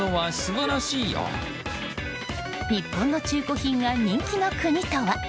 日本の中古品が人気の国とは？